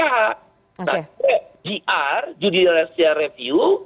nah gr judi rasyia review